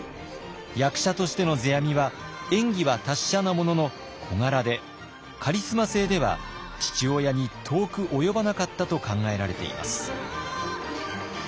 役者としての世阿弥は演技は達者なものの小柄でカリスマ性では父親に遠く及ばなかったと考えられています。